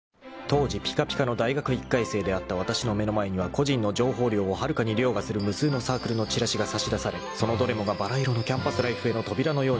［当時ピカピカの大学１回生であったわたしの目の前には個人の情報量をはるかに凌駕する無数のサークルのチラシが差し出されそのどれもが「ばら色のキャンパスライフ」への扉のように見えた］